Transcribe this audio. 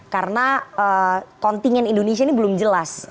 karena kontingen indonesia ini belum jelas